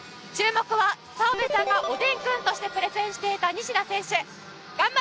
注目は澤部さんがおでんくんとしてプレゼンしていた西田選手。